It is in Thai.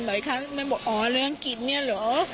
บอกอ๋อเรื่องกินเนี่ยหรอ